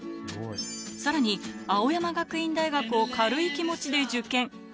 さらに、青山学院大学を軽い気持ちで受験。